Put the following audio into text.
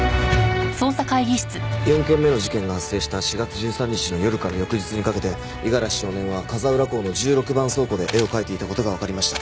４件目の事件が発生した４月１３日の夜から翌日にかけて五十嵐少年は風浦港の１６番倉庫で絵を描いていた事がわかりました。